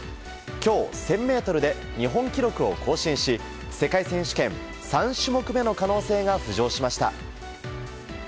今日、１０００ｍで日本記録を更新し世界選手権３種目めの可能性が浮上しました。